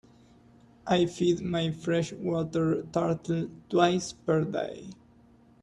I feed my fresh water turtle twice per day.